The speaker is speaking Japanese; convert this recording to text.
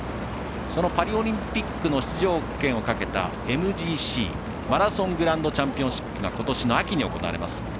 そのパリオリンピックの出場権をかけたＭＧＣ＝マラソングランドチャンピオンシップが今年の秋に行われます。